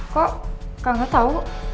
kok kak gak tau